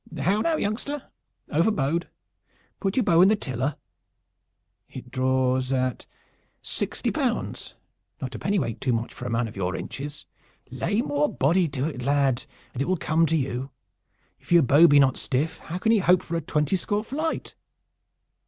How now, youngster? Overbowed? Put your bow in the tiller. It draws at sixty pounds not a pennyweight too much for a man of your inches. Lay more body to it, lad, and it will come to you. If your bow be not stiff, how can you hope for a twenty score flight.